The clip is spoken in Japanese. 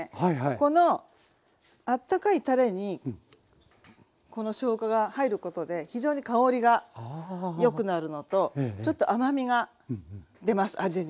このあったかいたれにこのしょうがが入ることで非常に香りがよくなるのとちょっと甘みが出ます味に。